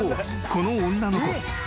この女の子。